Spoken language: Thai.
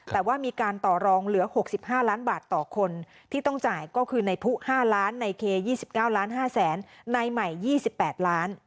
แต่ว่ามีการต่อรองเหลือ๖๕ล้านบาทต่อคนที่ต้องจ่ายก็คือในผู้๕ล้านในเค๒๙ล้าน๕แสนในใหม่๒๘ล้าน